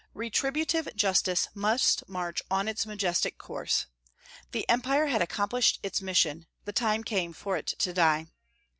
Retributive justice must march on in its majestic course. The empire had accomplished its mission; the time came for it to die.